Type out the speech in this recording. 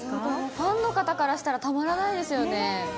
ファンの方からしたらたまらないですよね。